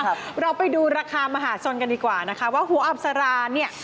เราไปดูราคามหาชนกันดีกว่านะคะว่าหัวอับสาราเนี่ย